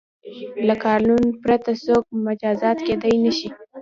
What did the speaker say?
له قانون پرته څوک مجازات کیدای نه شي.